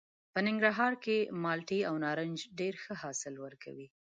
په ننګرهار کې مالټې او نارنج ډېر ښه حاصل ورکوي.